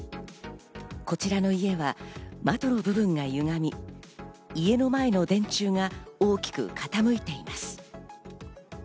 こちらの家は窓の部分がゆがみ、家の前の電柱が大きく傾いています。